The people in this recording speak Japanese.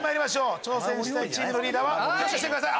挑戦したいチームのリーダーは挙手してください。